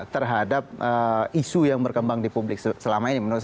terhadap isu yang berkembang di publik selama ini